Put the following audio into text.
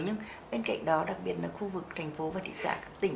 nhưng bên cạnh đó đặc biệt là khu vực thành phố và thị xã tỉnh